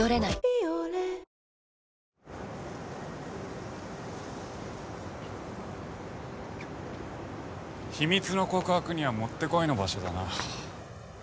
「ビオレ」秘密の告白にはもってこいの場所だな。